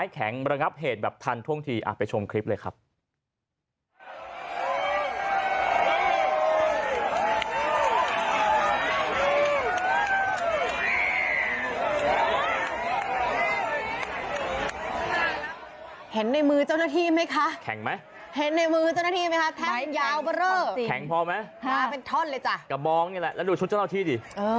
แข็งพอไหมห้าเป็นท่อนเลยจ้ะกระบองนี่แหละแล้วดูชุดเจ้าหน้าที่ดิเออ